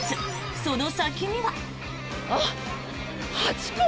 その先には。